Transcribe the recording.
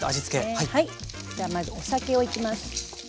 じゃあまずお酒をいきます。